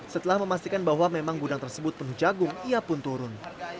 setelah memastikan bahwa memang gudang tersebut penuh jagung ia pun turun